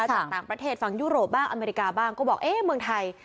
จากต่างประเทศฝั่งยุโรปบ้างอเมริกาบ้างก็บอกเอ๊ะเมืองไทย